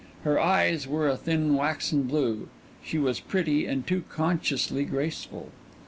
Her eyes were a thin waxen blue she was pretty and too consciously graceful.